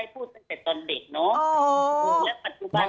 พูดตั้งแต่ตอนเด็กเนอะ